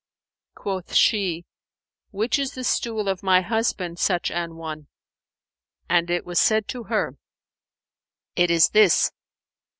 Quoth she, "Which is the stool of my husband such an one?"; and it was said to her, "It is this."